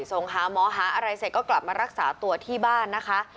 ส่งหาหมอหาอะไรเสร็จก็กลับมารักษาตัวที่บ้านนะคะ